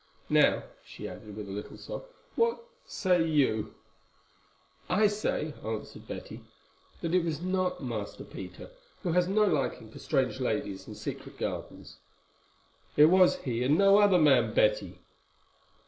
Now," she added, with a little sob, "what say you?" "I say," answered Betty, "that it was not Master Peter, who has no liking for strange ladies and secret gardens." "It was he, and no other man, Betty."